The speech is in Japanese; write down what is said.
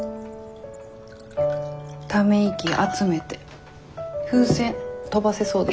ため息集めて風船飛ばせそうですよ。